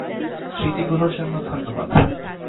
স্মৃতি গুলোর জন্য ধন্যবাদ।